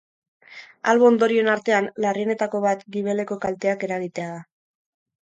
Albo-ondorioen artean, larrienetako bat gibeleko kalteak eragitea da.